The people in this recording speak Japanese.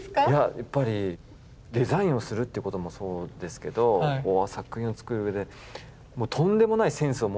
やっぱりデザインをするっていうこともそうですけど作品を作るうえでとんでもないセンスを持ってたと思うんですよ。